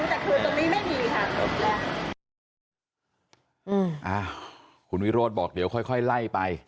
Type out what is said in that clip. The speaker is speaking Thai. แต่คืนตรงนี้ไม่มีค่ะจบแล้วอืมอ่าคุณวิโรธบอกเดี๋ยวค่อยค่อยไล่ไป